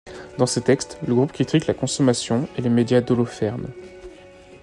Dans ses textes, le groupe critique la consommation et les médias d'Holopherne.